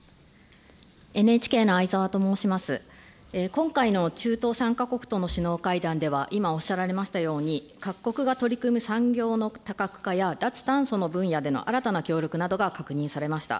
今回の中東３か国との首脳会談では、今おっしゃられましたように、各国が取り組む産業の多角化や脱炭素の分野での新たな協力などが確認されました。